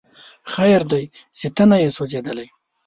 خیر دی چې ته نه یې سوځېدلی